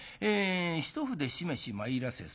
『一筆しめし参らせ候。